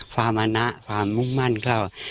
ความมะนะความมุ่งมั่นครับ